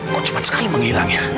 kok cepat sekali menghilang ya